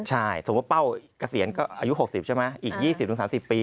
ใช่สมมุติเป้าเกษียณก็อายุ๖๐ใช่ไหมอีก๒๐๓๐ปี